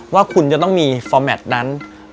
ว่าคุณจะต้องมีฟอร์แมทนั้น